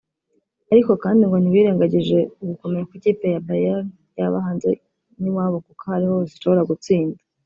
ariko kandi ngo ntibirengagije ugukomera kw’ikipe ya Bayern yaba hanze n’iwayo kuko ahariho hose ishobora gutsinda